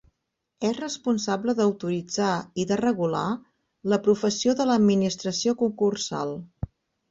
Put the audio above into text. És responsable d'autoritzar i de regular la professió de l'administració concursal.